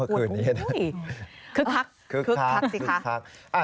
เมื่อคืนนี้นะคึกทักสิคะ